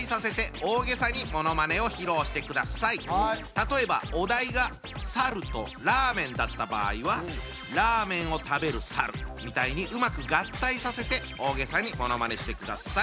例えばお題が「猿」と「ラーメン」だった場合は「ラーメンを食べる猿」みたいにうまく合体させて大げさにものまねしてください。